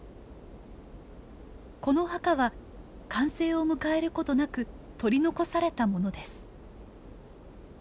この墓は完成を迎えることなく取り残されたものです。